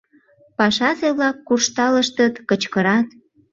Пашазе-влак куржталыштыт, кычкырат: